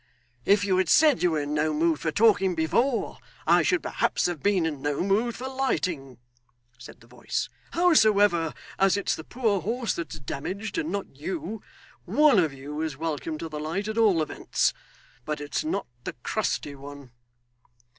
'If you had said you were in no mood for talking before, I should perhaps have been in no mood for lighting,' said the voice. 'Hows'ever as it's the poor horse that's damaged and not you, one of you is welcome to the light at all events but it's not the crusty one.